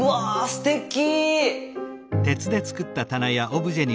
すてき。